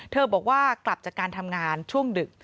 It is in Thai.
บอกว่ากลับจากการทำงานช่วงดึก